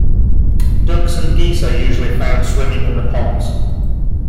Ducks and geese are usually found swimming in the ponds.